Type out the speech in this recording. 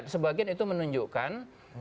sebagian itu menunjukkan